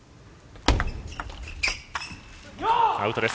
アウトです。